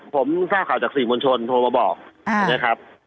ผมทราบข่าวจากสื่อมวลชนโทรมาบอกนะครับ